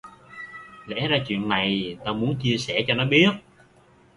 Lẽ ra chuyện này tao muốn chia sẻ cho nó biết